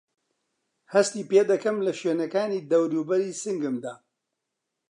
هەستی پێدەکەم له شوێنەکانی دەورووبەری سنگمدا؟